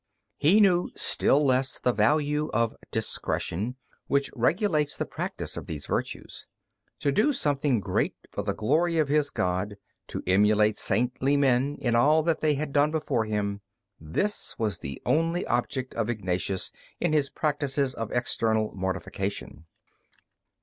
He knew still less the value of discretion, which regulates the practice of these virtues. To do something great for the glory of his God, to emulate saintly men in all that they had done before him this was the only object of Ignatius in his practices of external mortification.